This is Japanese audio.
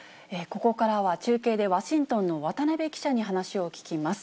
ここからは中継でワシントンの渡邊記者に話を聞きます。